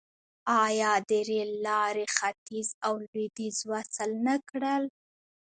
آیا د ریل لارې ختیځ او لویدیځ وصل نه کړل؟